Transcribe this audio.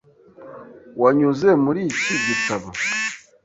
Wanyuze muri iki gitabo?